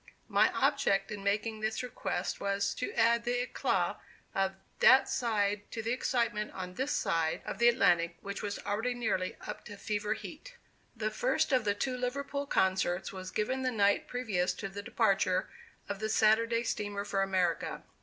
My object in making this request was, to add the éclat of that side to the excitement on this side of the Atlantic, which was already nearly up to fever heat. The first of the two Liverpool concerts was given the night previous to the departure of the Saturday steamer for America.